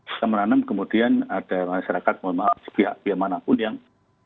kita menanam kemudian ada masyarakat mohon maaf pihak pihak manapun yang